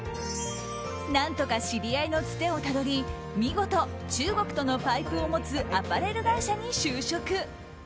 何とか知り合いのつてをたどり見事、中国とのパイプを持つアパレル会社に就職。